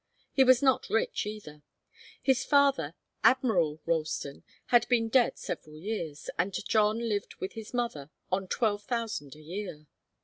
He was not rich, either. His father, Admiral Ralston, had been dead several years, and John lived with his mother on twelve thousand a year.